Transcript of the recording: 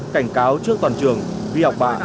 cảnh cáo trước toàn trường ghi học bạ